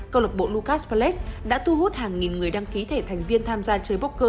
câu lạc bộ nucas fallet đã thu hút hàng nghìn người đăng ký thể thành viên tham gia chơi bóc cơ